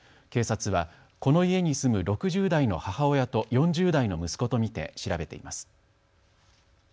警察は、この家に住む６０代の母親と４０代の息子と見て調べています。